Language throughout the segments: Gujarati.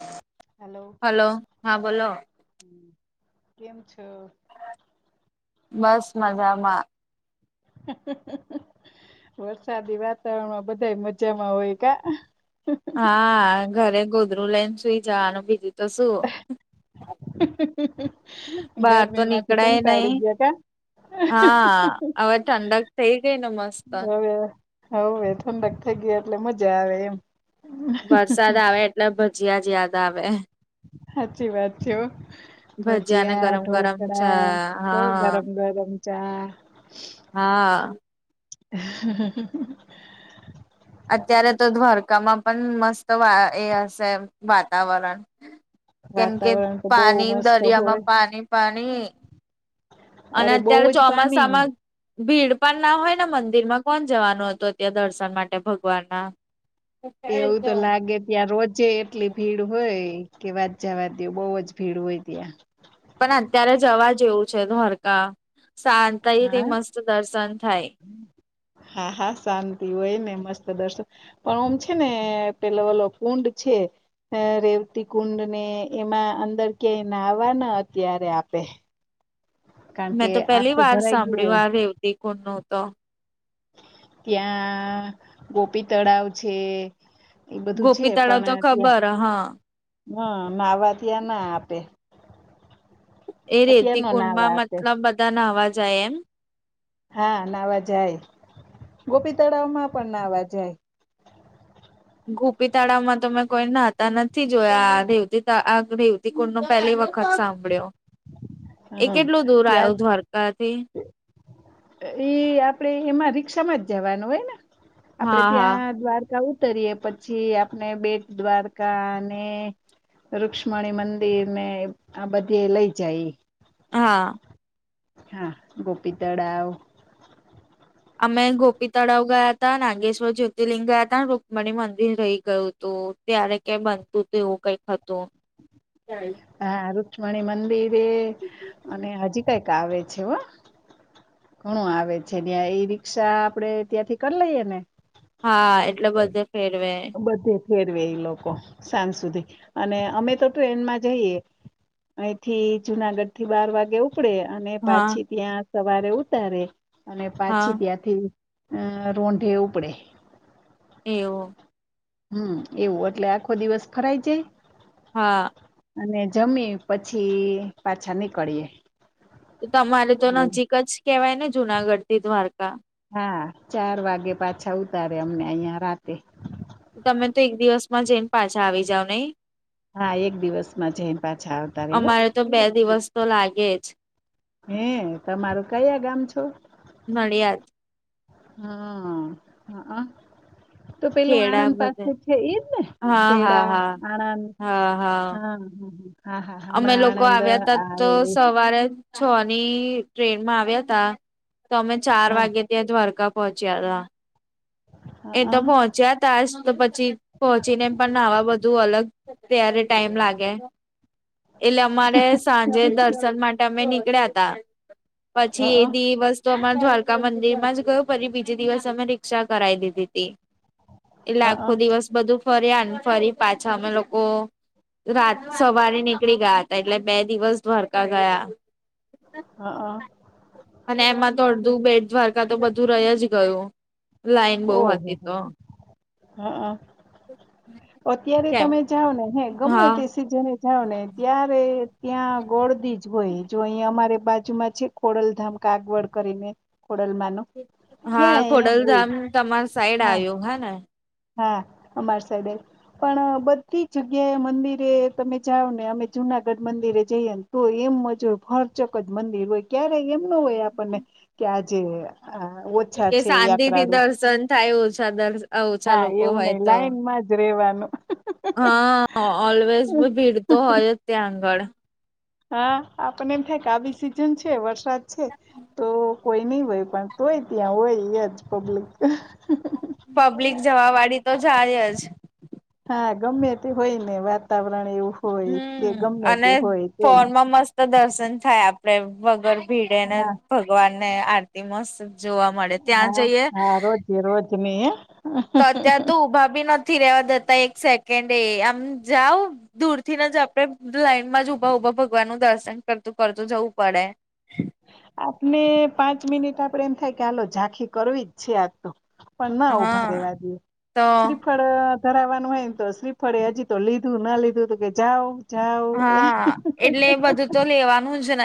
હ [unintelligible] હેલો કેમ છો. બસ મજામાં. હ-હ-હ વરસાદી વાતાવરણમાં બધા મજામાં હોય કા. હા ઘરે ગોધરુ લઈને સુઈ જવાનું બીજું તો શું. હમ-હમ બહાર તો ગરમી માંથી નીકળાય નહી કટાડી ગયા કા. હા હવે ઠંડાક થઈ ગઈ ના મસ્ત. હવવે ઠંડક થઈ ગયા એટલે મજા આવે એમ. વરસાદ આવે એટલે ભજીયા જ યાદ આવે. સાચી વાત છે, હો. ને ભજીયા ગરમ ગરમ ચા ઢોકળા તો હા ગરમ ગરમ ચા. હા. [unintelligible] અત્યારે તો દ્વારકામાં પણ મસ્ત એ હશે વાતાવરણ. કેમ કે વાતાવરણ તો બહુ પાણી મસ્ત હોય દરિયામાં પાણી પાણી. અને અરે બહુ અત્યારે જ પાણી ચોમાસામાં ભીડ પણ ના હોય મંદિર માં કોણ જવાનું હતું અતં દર્શન માટે ભગવાન ના. [inaudible] એવું તો લાગે ત્યાં રોજે કેટલી ભીડ હોય કે વાત જ્યાવા દઓ બહુ જ ભીડ હોય ત્યાં. પણ અત્યારે જવા જેવું છે દ્વારકા શાંતઈ હા થી મસ્ત દર્શન થાય. હા હા શાંતિ હોય ને મસ્ત દર્શન પણ ઓમ છે ને પેલો વાલો કુંડ છે. રેવતી કુંડ ને એમાં અંદર ક્યાંય નાહવા ના અત્યારે આપે. કારણ મેં કે તો પહેલી આખું વાર ભરાઈ ગયું સાંભળી હોય આ રેતી ખુનો તો. ત્યાં ગોપી તળાવ છે. એ બધું ગોપી તળાવ તો ખબર હા. હમ માવાઠીયા ત્યાં ના આપે. એ અત્યાર રેતી નો કુંડમાં નાવા આપે મતલબ બધા નાવા જાય એમ. હા નાવા જાય ગોપી તળાવમાં પણ નાવા જાય. ગૂપી તાળાવમાં તો મેં કોઈ નાહતા નથી જોયા રેવતીે િકુળ નો પહેલી વખત સાંભળ્યો એ હા કેટલું દૂર ત્યાં આવ્યો દ્વારકાથી એ આપડે એમાં રિક્ષામાં જ જવાનું હોય ને આપડે હા હા ત્યાં દ્વારકાઓ ઉતરીએ પછી આપણે બેટ દ્વારકા અને રુક્ષ્મણી મંદિર ને આ બધી લઈ જાય હા હા ગોપી તળાવ અમે ગોપી તળાવ ગયા હતા નાગેશ્વર જ્યોતિર્લિંગ ગયા હતા રુકમણી મંદિર રહી ગયુંું તો ત્યારે ક્યા બનતું હતું એવું કઈક હતું હા રુક્ષ્મણી મંદિરે અને હજી કઈક આવે છે હો ઘણું આવે છે ત્યાં એ રી્ષા આપડણે ત્યાંથી કરી લઈએ ને હા એટલે બધે ફેરવે બધે ફેરવે લોકો સાંજ સુધી અને અમે તો ટ્રેનમાં જઈએ અહીંથી જુનાગઢ થી બાર વાગે ઉપડે અને હા પાછી ત્યાં સવારે ઉતારે અને હા પાછી ત્યાંથી રોઠે ઉપબડે એવ હમ એવું એટલે આખો દિવસ ફરાય છે હા અને જમી પછી પાછા નીકળીએે તો તમારે તો નજીક જ કેવાય ને જુનાગઢ થી દ્વારકા હા ચાર વાગે પાછા ઉતારે અમને અહં રાતે તમે તો એક દિવસમાં જઈને પાછા આવી જાાવ નહીિ હા એક દિવસ માં જઈન પાછા આવતા રહે એવા અમારે તો બે દિવસ તો લાગે જ હે તમારું કયા ગામ છો મળડિયાદ હા હ હ તો પેલું ખેડા આણંદ બધે પાસે છે એજ ને હા હા ખેડા હા આણંદ હા હ હ હા હા અમે હમણા લોકો આણંધો આવ્યા તા આ તો વલી સવારે છ ની ટ્રેનમાં આવ્યા હતા તો અમે ચાર હા વાગે ત્યા દ્વારકા પહોચ્યા હતા હઅ એ હઅ તો પહોંચ્યા તા જ તો પછી પહોંચીને એમ પણ નવા બધું અલગ ત્યારે ટાઈમ લાગે એટલે અમારે સાંજે દર્શન માટે અમે નીકળ્યા ત હઅ પછી એ દિવસ તો અમારા દ્વારકા મંદિર માં જ ગયું પરી બીજી દિવસ અમે રિક્ક્ષા કરી દીધી હતી એટલે આખો દિવસ બધું ફર્યા ફરી પાછા અમે લોકો રાત સવારે નીકળી ગયા હતા એટલે બે દિવસ દ્વારકા ગયા હા હ અને એમાં તો અડધું બેડ દ્વારકા તો બધું રહી જ ગયું લાઈન બહ હતી તો હા અત્યારે કેમ તમે જાઓ ને હે ગમે હા તે ને જાાવ ને ત્યારે ત્યાં ગોળદી જ હોય જો અહીં અમારે બાજુમાં છે ખોડલધામ કાગવડ કરીને ખોડલમાંનું હા ખોડલધામ તમાર સાઈડ આવ્યો હા ને હા અમારસ દે પણ બધી જગ્યાએ મંદિરે તમે જાઓ ને અમે જુનાગઢ મંદિરે જઈએ તો એમ જ હોય ફરચક જ મંદિર હોય ક્યારેય એમ ન હોય આપણને કે આજે ઓછા કે છે શાંતિથી યાત્રાળુ દર્શન થાય ઓછા દર્ ઓછા લોકો હોય તો માં જ રેવાનું હા ઓલવેઝ ભીડ તો હોય જ ત્યાં આગળ હા આપને એમ થાય કે આવી સીઝન છે વરસાદ છે તો કોઈ નઈ હોય પણ તોય ત્યાં હોય એ જ પબ્લિક પબ્લિક જવા વાળી તો જાય જ હા ગમે તે હોય ને વાતાવરણ એવું હોય કે હમ ગમે અને તે હોય તોય ફોનમાં મસ્ત તો દર્શન થાય આપડે વગર ભીડે ને હા ભગવાન ને આરતી મસ્ત જોવા મળે ત્યાં જઈએ એ રોજ જમે તવચા તો ઊભા બી નથી રેવા દતા એક સેકન્ડ એ આમ જાાવ દૂર થીને જ આપણે લાઈન માં જ ઊભા ઊભા ભગવાન નું દર્શન કરતું કરતું જવું પડે આપને પાંચ મિનિટ આપડે એમ થાય કે આાલ ઝાંખી કરવી જ છે આ તો પણ ના ઉભા હા રહેવા દએ શ્રી તો શ્રીફળ ધરાવવાનું હોય ને તો શ્રીફળે હજી તો લીધું ના લીધું તો કે જાાવ હા એટલે બધું તો લેવાનું જ ન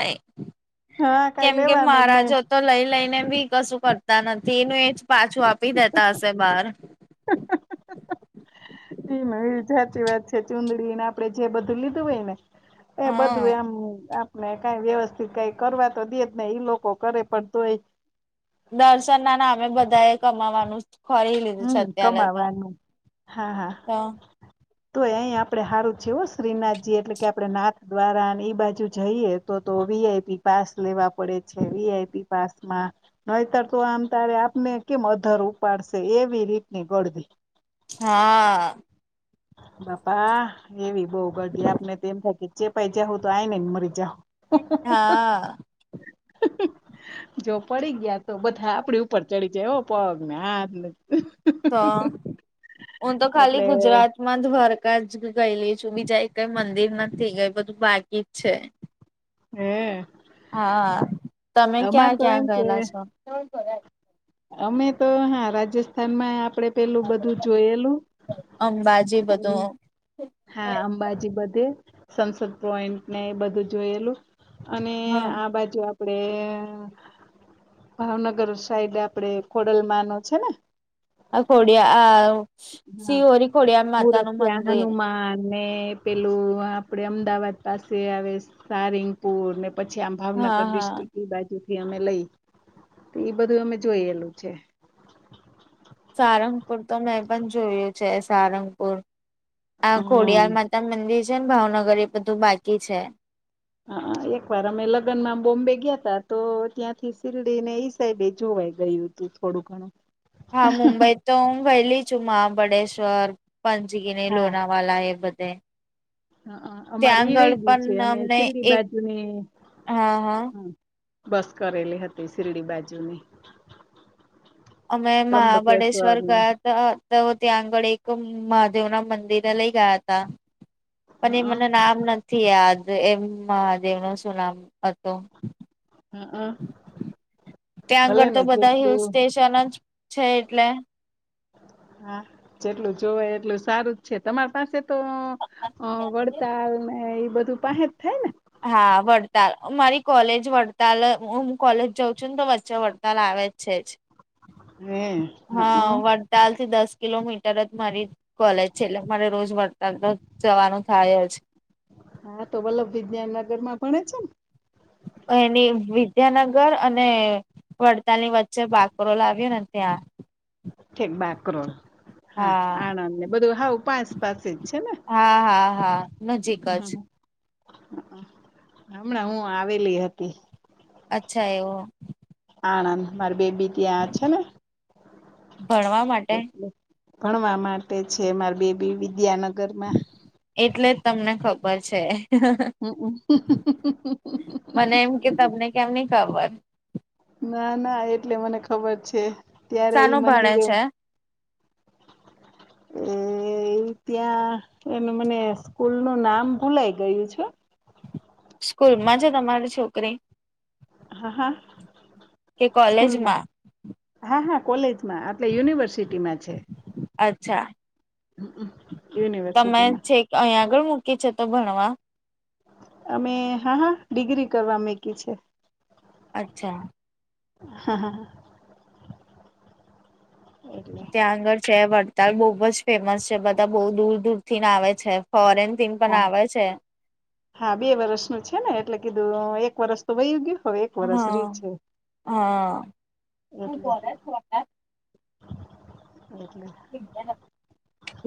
હા કઈ કેમ કે લેવાનું જ મહારાજો તો લઈ લઈને બી કશું કરતા નથી એનું એજ પાછું આપી દેતા હશે બહાર એ એ સાચી વાત છે ચુંદડીને આપડે જે બધું લીધું હોય ને એ બધું હા એમમ ને કઈ વ્યવસ્થિત કઈ કરવા તો દે જ નહી ઈ લોકો કરે પણ તોય દર્શન ના નામે બધા એ કમાવાનું ખોરી લીધું છે હમ અત્યારે તો કમાવાનું હા હા તો તો અહી આપડે સારું છેવ શ્રીનાથજી એટલે કે આપડણે નાથ દ્વારા અને એઈ બાજુ જઈએ તોવી એઈપી પાસ લે વાપ પડે છે વઆઈી પામાં નતર તો આમ તારે આપને કેમ અધર ઉપાડશે એવી રીટની ગોડદી હા બાપા એવી બહ ગધી આપને તેમમ થાય કે ચેપાઈ જાવં તો આઈ નને મરી જાાવ હા જો પડી ગયા તો બધા આપડી ઉપર ચડી ગયા જવ પો મે તો હ તો ખાલી એટલે ગુજરાત‌ દ્વારકા જ ગયેલી છું બીજા એક કઈ મંદિર નથી થઈ ગઈ બધું બાકી જ છે. હમ. હા તમે ક્યાં ક્યાં એમ કે ગયેલા છો. અમે તો હા રાજસ્થાનમાં આપડે પેલું બધું જોયેલું અંબાજી હમ. બધું હા અંબાજી બધે સંસદ પોઈન્ટ ને એ બધું જોયેલું. અને હા આ બાજુ આપડે ભાવનગર સાઈડ આપડે ખોડલમાં ન છે ને આ કોડયા આ સિ ઓરી કોડય માતાનું ગોરખિયા મંદિર હનુમાન ને પેલું આપડે અમદાવાદ પાસે આવે સારિંગપુર ને પછી આમ હા ભાવનગર હા. ડિસ્ટ્રિક્ટ બાજુથી અમે લઈ તો એ બધું અમે જોયેલું છે. સારંગપુર તો મેં પણ જોયું છે સારંગપુર આ હમ ખોડિયાર માતા મંદિર છે ને ભાવનગર એ બધું બાકી છે. હ એક વાર અમે લગ્નમાં બોમ્બે ગયા ત તો ત્યાંથી શિરડી ને ઈ સાઈડે જોવાઈ ગયુંું. થોડું ઘણું હા મુંબઈ તો હું વયલી છું મહાબળેશ્વર પંચગીને હા લોણાવાલા એ બધે હા અમાર ત્યાં એ આગળ રહી ગયું છે પણ અમે અમને શિરડી એક બાજુની હા હા હ બસ કરેલી હતી શિરડી બાજુની. અમે મહાબળેશ્વર ત્રંબકેશ્વર ને ગા તો ત્યાં આગળ એક મહાદેવ ના મંદિરે લઈ ગયા હતા. પણ એ હઅ મને નામ નથી યાદ એમ મહાદેવ નુ શું નામ હતું. હઅ ત્યાં ભલે આગળ તો ને બધા હિલ જેટલું સ્ટેશન જ છે એટલે હા જેટલું જોવા એટલું સારું જ છે તમારી પાસે તો વડતાલ ને ઈ બધું પાહે જ થાય ને. હા વડતાલ મારી કોલેજ વડતાલ હ હું કોલેજ જાઉં છું ને તો વચ્ચે વડતાલ આવે જ છે. હે હા હઅ વડતાલ થી દસ કિલોમીટર જ મારી કોલેજ છે એટલે મારે રોજ વરસાદ જવાનું થાય જ. હા તો વલ્લભ વિજ્ઞાન નગર માં ભણે છે ને. એની વિદ્યાનગર અને વડતાલની વચ્ચે બાકરો લાવ્યો ને ત્યાં. ઠેક બાકોલ હા આણંદને બધું હ પા હા હા હા નજીક જ. હમણાં હું આવેલી હતી. અચ્છા એવુ આણંદ મારી બેબી ત્યાં જ છે ને. ભણવા માટે. એટલે ભણવા માટે છે મામારે બેબી વિદ્યાનગરમાં. એટલે જ તમને ખબર છે. હમ્મ મને એમ કે તમને કેમ નઈ ખબર. ના ના એટલે મને ખબર છે. ત્યારે ઈ સનું ભણે મંદિરે છે. એ ત્યાં એનું મને સ્કૂલ નું નામ ભૂલાય ગયું છે. સ્કૂલમાં છે તમારી છોકરી હા હા કે સ્કૂલમાં. કોલેજમાં હા હા કોલેજમાં એટલે યુનિવર્સિટીમાં છે. અચ્છા તમે યુનિવર્સિટીમાં છેક અહીિયાં આગળ મૂકી છે તો ભણવા. અમે હા હા ડિગ્રી કરવા મકી છે. અચ્છા. હા હા હા. એટલે ત્યાં આગળ છે વડતાળ બહુજ ફેમસ છે બધા બહુ દૂર દૂર ને આવે છે. ફોરેન થીમ પણ હા આવે છે. હા બે વર્ષનું છે ને એટલે કીધું એક વર્ષ. તોય યોગ્ય હવે એક વર્ષ ર હા છે હા એટલે. [unintelligible] [unintelligible]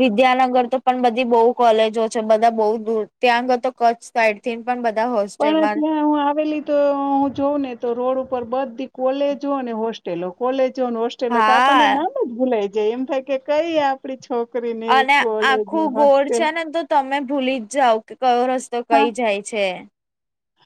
વિદ્યાનગર તો પણ બધી બહુ કોલેજો છે બધા બહુ દૂર ત્યાં આગળ તો. કચ્છ સાઈડથી પણ બધા હો. પણ ત્યાં હું આવેલી. હું જોઉં ને તો રોડ ઉપર બધી કોલેજો અને હોસ્ટેલો કોલેજોને હોલ. તો આપણને હા નામજ ભૂલાય જાય એમ થાય કે કઈ આપ. આપડી છોકરી ને અને કોલેજ ને આખું ગોળ હોસ્ટેલ. છે ને તો તમે ભૂલીજ જાાવ કે કયો રસ્તો હા કઈ જાય છે.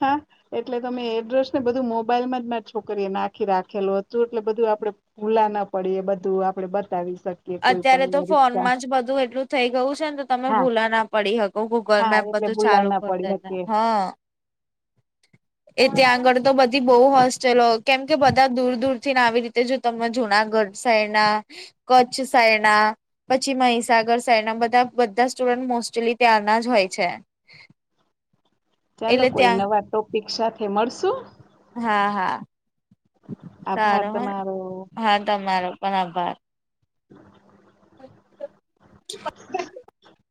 હા. એટલે તમે એડ્રેસ ને બધું મોબાઈલમાંજ મા છોકરીએ નાખી રાખેલું હતું એટલે બધું આપડે. ભુલા ના પડીે એ બધું આપડે બતાવી શકીએ. કોઈ અત્યારે તો પણને રીક્ષા ફોનમાંજ બધું એટલું. થઈ ગયું છે ને તો તમે હા ભૂલા ના પડી શકો ગૂગલ હા મેપ એટલે બધું ભૂલા ચાલુ ના કરી દે પડી એને શકીએ હ. એ ત્યાં આગળ તો બધી બહ હોસ્ટેલો કેમ કે બધા દૂર દૂર થીને આવી રીતે જો તમે જુનાગઢ સાઈડ ના કચ્છ સાઈડના પછી મિસાગર સાઈડ ના બધા બધા સ્ટુડન્ટ મોસ્ટલી ત્યાંના જ હોય છે. [inaudible] ચાલો એટલે કોઈ ત્યાં નવા ટોપિક સાથે મળશું. હા હા આભાર સારો હ તમારો હા તમારો પણ આભાર. બ.